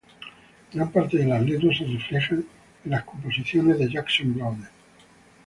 Gran parte de las letras se reflejan en las composiciones de Jackson Browne.